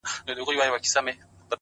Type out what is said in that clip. خو اوس دي گراني دا درسونه سخت كړل”